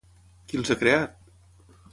Qui els ha creat?